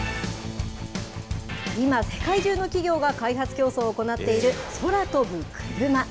今、世界中の企業が開発競争を行っている空飛ぶクルマ。